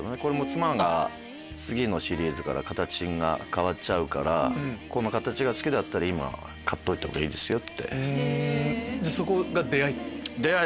妻が「次のシリーズから形が変わっちゃうからこの形が好きだったら今買っといたほうがいいですよ」。